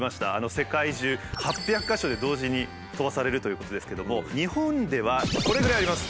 世界中８００か所で同時に飛ばされるということですけども日本ではこれぐらいあります。